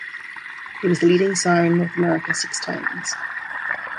He was the leading sire in North America six times.